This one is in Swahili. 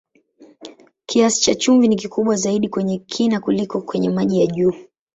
Kiasi cha chumvi ni kikubwa zaidi kwenye kina kuliko kwenye maji ya juu.